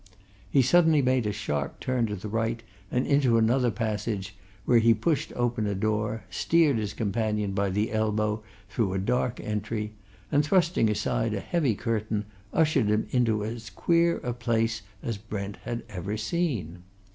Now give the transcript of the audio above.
He suddenly made a sharp turn to the right and into another passage, where he pushed open a door, steered his companion by the elbow through a dark entry, and thrusting aside a heavy curtain ushered him into as queer a place as Brent had ever seen.